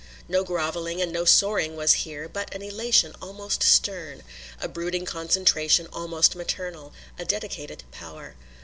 No grovelling and no soaring was here, but an elation almost stern, a brooding concentration almost maternal, a dedicated power.